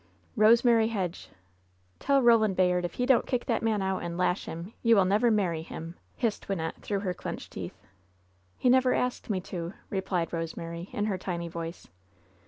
"Rosemary Hedge! tell Roland Bayard if he don't kick that man out and lash him, you will never marry him !" hissed Wynnette, through her clenched teeth. "He never asked me to," replied Rosemary, in her tiny voice.